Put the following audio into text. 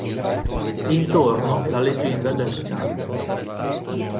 Intorno la legenda già citata.